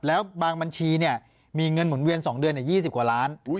แล้วบางบัญชีเนี่ยมีเงินหมุนเวียน๒เดือนเนี่ย๒๐กว่าล้านบาท